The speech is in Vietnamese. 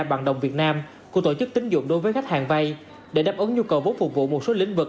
bằng đồng việt nam của tổ chức tính dụng đối với khách hàng vay để đáp ứng nhu cầu vốn phục vụ một số lĩnh vực